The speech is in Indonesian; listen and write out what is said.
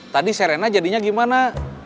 tadi serena jadinya gimana